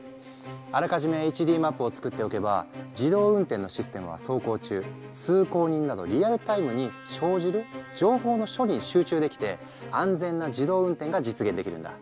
あらかじめＨＤマップを作っておけば自動運転のシステムは走行中通行人などリアルタイムに生じる情報の処理に集中できて安全な自動運転が実現できるんだ。